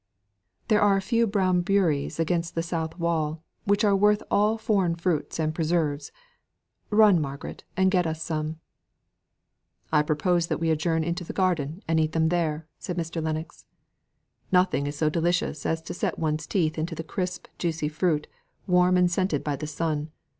"There are a few brown beurrés against the south wall which are worth all foreign fruits and preserves. Run, Margaret, and gather some." "I propose that we adjourn into the garden, and eat them there," said Mr. Lennox. "Nothing is so delicious as to set one's teeth into the crisp, juicy fruit, warm and scented by the sun.